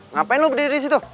ngapain lo berdiri disitu